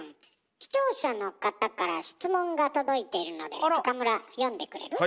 視聴者の方から質問が届いているので岡村読んでくれる？